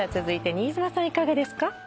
続いて新妻さんいかがですか？